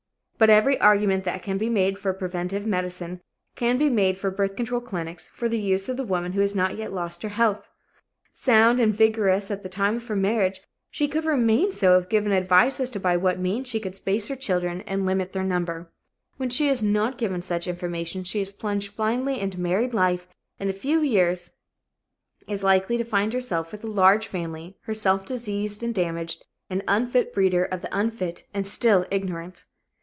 But every argument that can be made for preventive medicine can be made for birth control clinics for the use of the woman who has not yet lost her health. Sound and vigorous at the time of her marriage, she could remain so if given advice as to by what means she could space her children and limit their number. When she is not given such information, she is plunged blindly into married life and a few years is likely to find her with a large family, herself diseased and damaged, an unfit breeder of the unfit, and still ignorant!